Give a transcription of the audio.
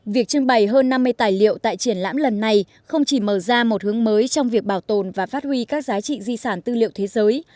việc trưng bày hơn năm mươi tài liệu tại triển lãm lần này không chỉ mở ra một hướng mới trong việc bảo tồn và phát huy các giá trị di sản tư liệu thế giới